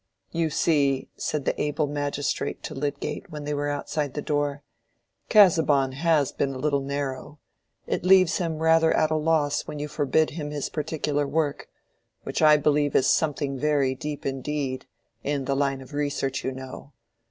"You see," said the able magistrate to Lydgate, when they were outside the door, "Casaubon has been a little narrow: it leaves him rather at a loss when you forbid him his particular work, which I believe is something very deep indeed—in the line of research, you know.